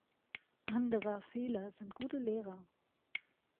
Andrer Fehler sind gute Lehrer.